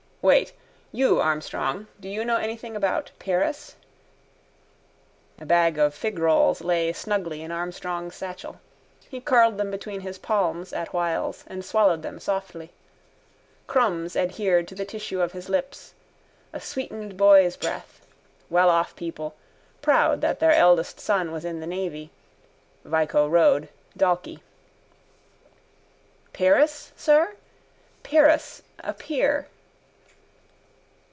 —Wait. You, Armstrong. Do you know anything about Pyrrhus? A bag of figrolls lay snugly in Armstrong's satchel. He curled them between his palms at whiles and swallowed them softly. Crumbs adhered to the tissue of his lips. A sweetened boy's breath. Welloff people, proud that their eldest son was in the navy. Vico Road, Dalkey. —Pyrrhus, sir? Pyrrhus, a pier.